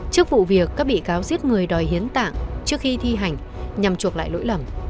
trước vụ việc các bị cáo giết người đòi hiến tạng trước khi thi hành nhằm chuộc lại lỗi lầm